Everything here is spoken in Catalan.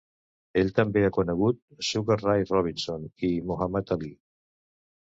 Ell també ha conegut Sugar Ray Robinson i Muhammad Ali.